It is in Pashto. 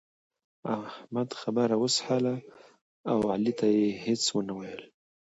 احمد خبره وسهله او علي ته يې هيڅ و نه ويل.